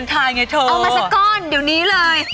เอามาสักก้อนเดี๋ยวนี้เลย